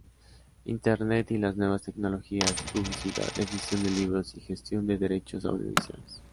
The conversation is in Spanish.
Internet y las nuevas tecnologías, publicidad, edición de libros y gestión de derechos audiovisuales